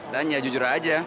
dan ya jujur aja